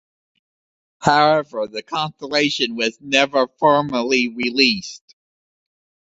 However, the Constellation was never formally released.